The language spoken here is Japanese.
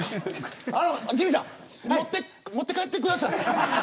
ジミーさん持って帰ってください。